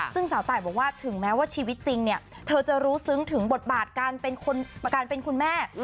ซึ่งสาวตายบอกว่าถึงแม้ว่าชีวิตจริงเนี่ยเธอจะรู้ซึ้งถึงบทบาทการเป็นคุณแม่